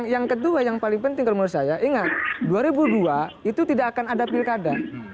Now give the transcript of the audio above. yang kedua yang paling penting kalau menurut saya ingat dua ribu dua itu tidak akan ada pilkada